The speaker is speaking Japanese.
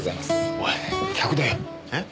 おい客だよ。えっ？